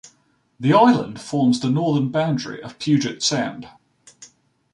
The island forms the northern boundary of Puget Sound.